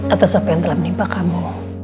atas apa yang telah menimpa kamu